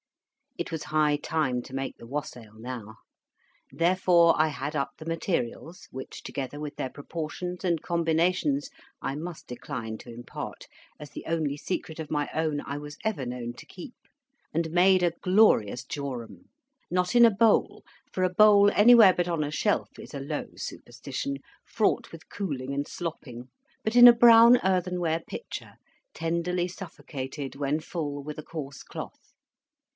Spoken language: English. It was high time to make the Wassail now; therefore I had up the materials (which, together with their proportions and combinations, I must decline to impart, as the only secret of my own I was ever known to keep), and made a glorious jorum. Not in a bowl; for a bowl anywhere but on a shelf is a low superstition, fraught with cooling and slopping; but in a brown earthenware pitcher, tenderly suffocated, when full, with a coarse cloth.